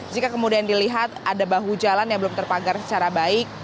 jika kemudian dilihat ada bahu jalan yang belum terpagar secara baik